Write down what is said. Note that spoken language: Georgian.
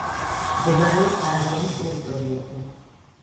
მდებარეობს არაგონის ტერიტორიაზე.